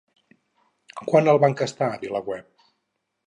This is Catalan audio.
Quan el va enquestar, Vilaweb?